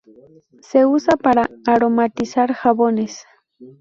Se usa para aromatizar jabones.